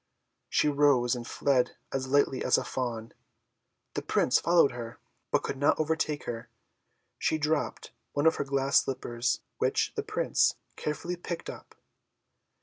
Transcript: She rose and fled as lightly as a fawn. The Prince followed her, but could not overtake her. She dropped one of her glass slippers, which the Prince carefully picked up.